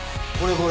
これ。